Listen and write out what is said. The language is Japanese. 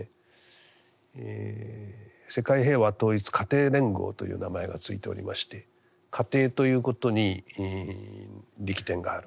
世界平和統一家庭連合という名前が付いておりまして家庭ということに力点がある。